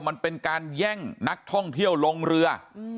มันเป็นการแย่งนักท่องเที่ยวลงเรือ